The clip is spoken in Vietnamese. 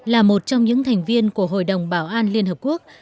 là một trong những thành viên của hội đồng bảo an liên hợp quốc